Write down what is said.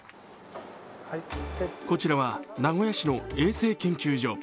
こちらは名古屋市の衛生研究所。